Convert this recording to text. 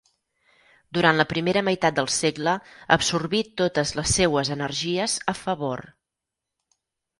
Durant la primera meitat del segle, absorbí totes les seues energies a favor.